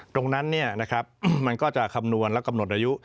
ตรงนั้นมันก็จะคำนวณและกำหนดอายุ